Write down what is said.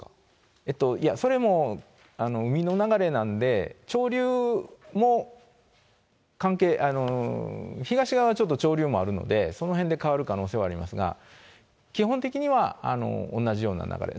いや、それも海の流れなんで、潮流も関係、東側はちょっと潮流もあるので、そのへんで変わる可能性はありますが、基本的には同じような流れ。